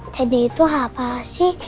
tadi itu apa sih